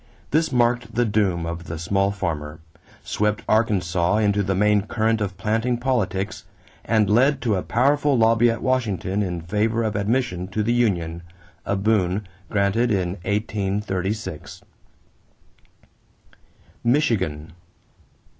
This marked the doom of the small farmer, swept Arkansas into the main current of planting politics, and led to a powerful lobby at Washington in favor of admission to the union, a boon granted in 1836. =Michigan.